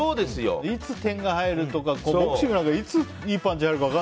いつ点が入るとかボクシングなんかいついいパンチがあるか